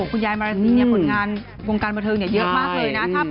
คุณยายมารัฐนี้เนี่ยผลงานวงการบรรเทิงเนี่ยเยอะมากเลยนะ